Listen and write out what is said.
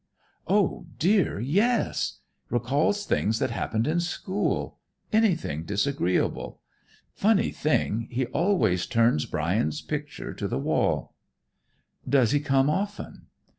"Oh, dear, yes! Recalls things that happened in school. Anything disagreeable. Funny thing, he always turns Brian's picture to the wall." "Does he come often?"